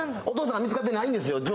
お父さんは見つかってないんですよ。